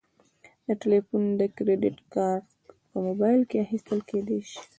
د تلیفون د کریدت کارت په موبایل کې اخیستل کیدی شي.